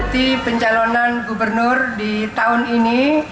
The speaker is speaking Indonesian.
mengikuti pencalonan gubernur di tahun ini